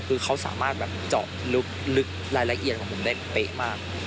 คือเขาสามารถแบบเจาะลึกรายละเอียดของผมได้เป๊ะมาก